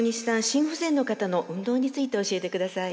心不全の方の運動について教えてください。